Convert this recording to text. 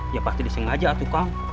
ya pasti disengaja tuh kang